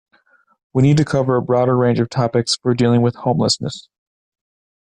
We need to cover a broader range of topics for dealing with homelessness.